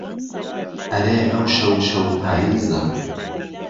ئهرێ ئهوشهو شهو پاییزه